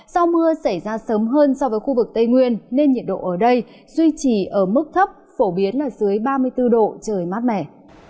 do mưa xảy ra sớm hơn so với khu vực tây nguyên nên nhiệt độ ở đây duy trì ở mức thấp phổ biến là dưới ba mươi bốn độ trời mát mẻ